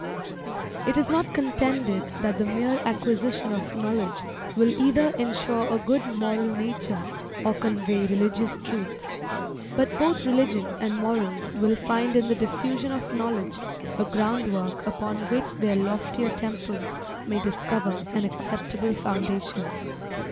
It is not contended that the mere acquisition of knowledge will either ensure a good moral nature, or convey religious truth. But both religion and morals will find in the diffusion of knowledge a ground work upon which their loftier temples may discover an acceptable foundation.